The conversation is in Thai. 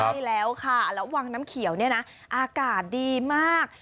ใช่แล้วค่ะแล้ววังน้ำเขียวเนี่ยนะอากาศดีมาก